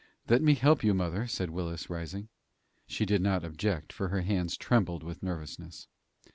"Let me help you, mother," said Willis, rising. She did not object, for her hands trembled with nervousness.